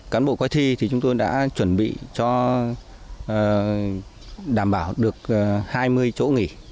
cán bộ coi thi thì chúng tôi đã chuẩn bị cho đảm bảo được hai mươi chỗ nghỉ